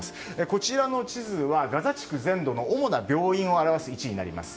こちらの地図はガザ地区全土の主な病院を表しています。